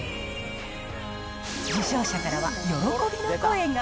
受賞者からは喜びの声が。